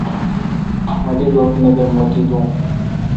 مہ دی گپ۔ نہ دہ مہ تی دون